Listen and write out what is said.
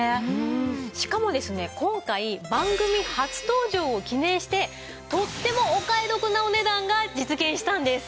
しかもですね今回番組初登場を記念してとってもお買い得なお値段が実現したんです。